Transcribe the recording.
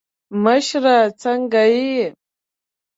مشره څرنګه یی.